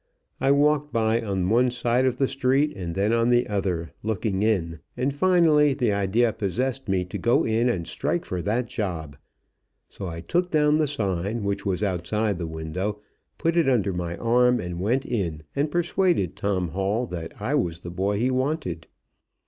I walked by on one side of the street and then on the other, looking in, and finally the idea possessed me to go in and strike for that job. So I took down the sign, which was outside the window, put it under my arm, and went in and persuaded Tom Hall that I was the boy he wanted.